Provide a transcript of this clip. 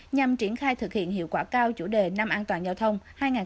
nhằm triển khai thực hiện hiệu quả cao chủ đề năm an toàn giao thông hai nghìn hai mươi bốn